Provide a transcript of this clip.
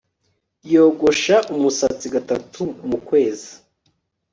yogosha umusatsi gatatu mu kwezi